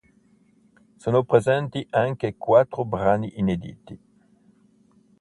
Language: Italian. Sono presenti anche quattro brani inediti.